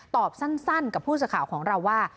ตอบสั้นกับผู้สื่อข่าวของเราว่า